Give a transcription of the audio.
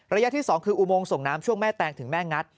ระยะที่๒คืออุโมงส่งน้ำช่วงแม่แตงถึงแม่งัด